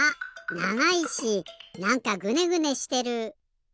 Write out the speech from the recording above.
ながいしなんかグネグネしてる。